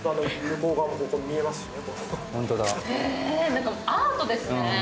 なんかアートですね。